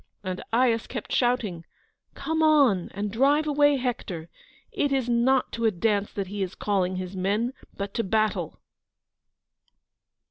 And Aias kept shouting: "Come on, and drive away Hector; it is not to a dance that he is calling his men, but to battle."